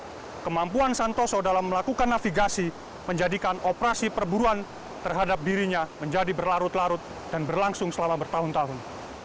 karena kemampuan santoso dalam melakukan navigasi menjadikan operasi perburuan terhadap dirinya menjadi berlarut larut dan berlangsung selama bertahun tahun